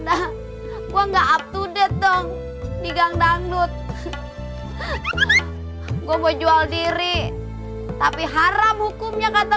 dah gue enggak up to date dong digang dangdut gua mau jual diri tapi haram hukumnya kata